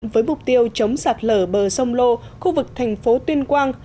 với mục tiêu chống sạt lở bờ sông lô khu vực thành phố tuyên quang